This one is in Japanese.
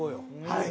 はい。